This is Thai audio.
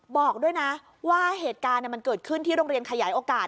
บอกด้วยนะว่าเหตุการณ์มันเกิดขึ้นที่โรงเรียนขยายโอกาส